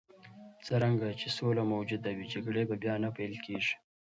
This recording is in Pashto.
څرنګه چې سوله موجوده وي، جګړې به بیا نه پیل کېږي.